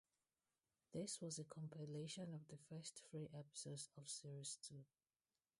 This was a compilation of the first three episodes of Series Two.